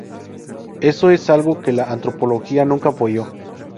Eso es algo que la antropóloga nunca apoyó.